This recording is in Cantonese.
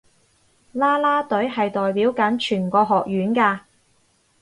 啦啦隊係代表緊全個學院㗎